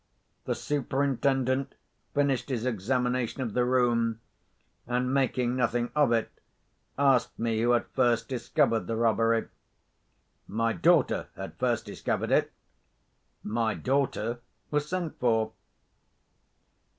The Superintendent finished his examination of the room, and, making nothing of it, asked me who had first discovered the robbery. My daughter had first discovered it. My daughter was sent for.